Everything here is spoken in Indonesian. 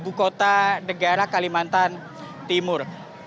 ibu kota negara kalimantan timur